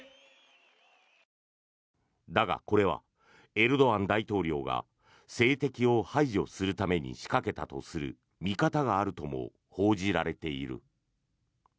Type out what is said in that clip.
だが、これはエルドアン大統領が政敵を排除するために仕掛けたとする見方があるとも報じられている。